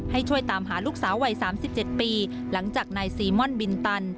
ให้ช่วยตามหาลูกสาววัย๓๗ปีหลังจากนายซีม่อนบินตัน